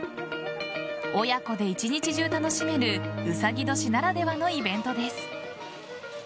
親子で一日中楽しめるうさぎ年ならではのイベントです。